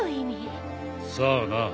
さあな。